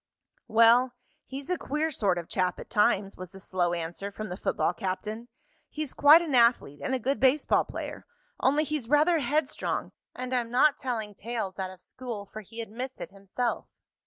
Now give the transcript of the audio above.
"Well, he's a queer sort of chap at times," was the slow answer from the football captain. "He's quite an athlete, and a good baseball player. Only he's rather headstrong, and I'm not telling tales out of school, for he admits it himself.